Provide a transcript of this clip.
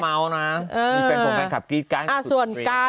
มีแฟนของการขับกรี๊ดกันส่วนการ